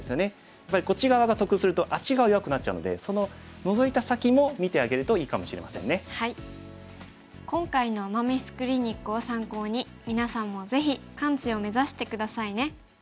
やっぱりこっち側が得するとあっち側弱くなっちゃうので今回の“アマ・ミス”クリニックを参考にみなさんもぜひ完治を目指して下さいね。